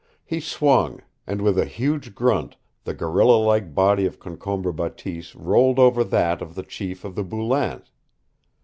He swung, and with a huge grunt the gorilla like body of Concombre Bateese rolled over that of the chief of the Boulains.